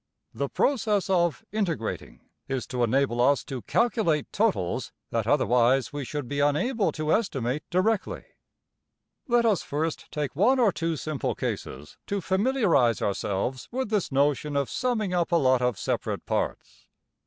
The process of ``\emph{integrating}'' is to enable us to calculate totals that otherwise we should be unable to estimate directly. Let us first take one or two simple cases to familiarize ourselves with this notion of summing up a lot of separate parts.